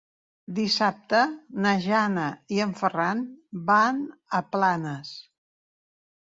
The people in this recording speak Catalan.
Dissabte na Jana i en Ferran van a Planes.